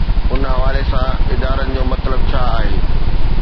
ان حوالي سان ادارن جو مطلب ڇا آهي؟